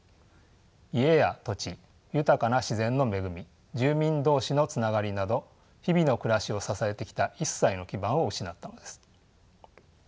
家や土地豊かな自然の恵み住民同士のつながりなど日々の暮らしを支えてきた一切の基盤を失ったのです。